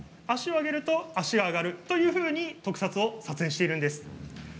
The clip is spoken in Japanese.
脚を上げると脚が上がるというふうに特撮を撮影しているんです。